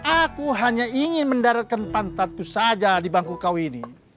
aku hanya ingin mendaratkan pantatku saja di bangku kau ini